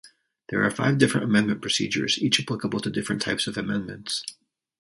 There are five different amendment procedures, each applicable to different types of amendments.